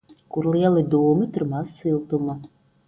Kur lieli dūmi, tur maz siltuma.